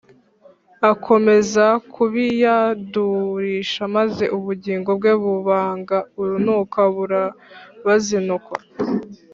akomeza kubiyandurisha maze ubugingo bwe bubanga urunuka burabazinukwa